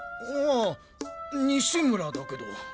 あ西村だけど。